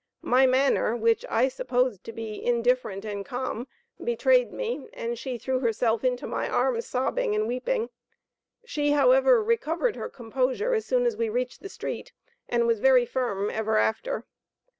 My manner, which I supposed to be indifferent and calm, betrayed me, and she threw herself into my arms, sobbing and weeping. She, however, recovered her composure as soon as we reached the street, and was very firm ever after.